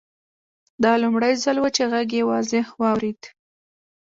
دا لومړی ځل و چې غږ یې واضح واورېد